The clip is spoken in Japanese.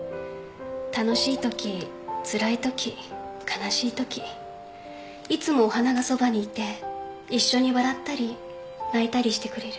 楽しいときつらいとき悲しいときいつもお花がそばにいて一緒に笑ったり泣いたりしてくれる。